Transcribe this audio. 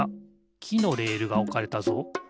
きのレールがおかれたぞ。